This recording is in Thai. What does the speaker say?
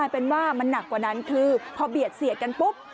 เป็นว่ามันหนักกว่านั้นคือพอเบียดเสียดกันปุ๊บ